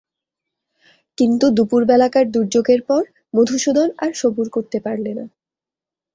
কিন্তু দুপুরবেলাকার দুর্যোগের পর মধুসূদন আর সবুর করতে পারলে না।